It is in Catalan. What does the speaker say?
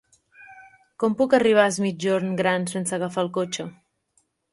Com puc arribar a Es Migjorn Gran sense agafar el cotxe?